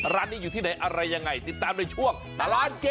ร้านนี้อยู่ที่ไหนอะไรยังไงติดตามในช่วงตลอดกิน